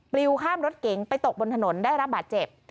ลิวข้ามรถเก๋งไปตกบนถนนได้รับบาดเจ็บ